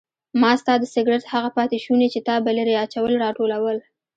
ما ستا د سګرټ هغه پاتې شوني چې تا به لرې اچول راټولول.